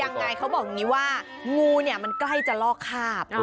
ยังไงเขาบอกอย่างนี้ว่างูเนี่ยมันใกล้จะลอกคาบ